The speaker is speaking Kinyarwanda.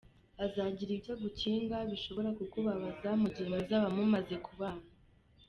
Azagira ibyo agukinga, bishobora kuzakubabaza mu gihe muzaba mumaze kubana.